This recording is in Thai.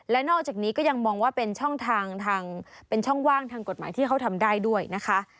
และนอกจากนี้ก็ยังมองว่าเป็นช่องทางทางเป็นช่องว่างทางกฎหมายที่เขาทำได้ด้วยนะคะ